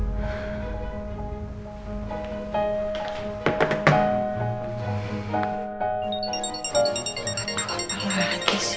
aduh apa lagi sih